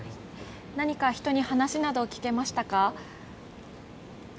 何か人に話などを聞いてみましたか。